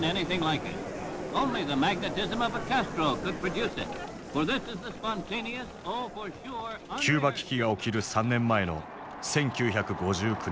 キューバ危機が起きる３年前の１９５９年。